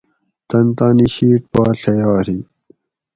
تن تانی شِیٹ پا ڷیاری